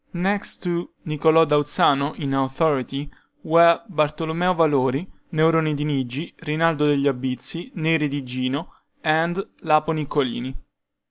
Next to Niccolo da Uzzano in authority, were Bartolomeo Valori, Neroni di Nigi, Rinaldo degli Albizzi, Neri di Gino, and Lapo Niccolini.